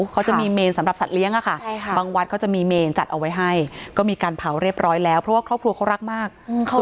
เขาจะมีเมนสำหรับสัตว์เลี้ยงฯบางวัดเอาไปให้ก็มีการเผาเรียบร้อยแล้วเพราะว่าครอบครัวเขารักมาก